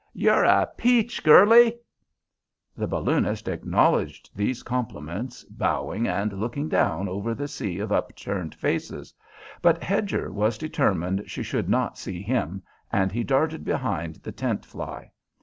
You're a peach, girlie!" The balloonist acknowledged these compliments, bowing and looking down over the sea of upturned faces, but Hedger was determined she should not see him, and he darted behind the tent fly.